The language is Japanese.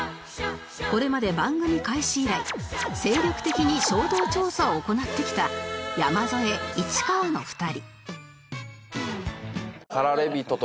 これまで番組開始以来精力的に衝動調査を行ってきた山添市川の２人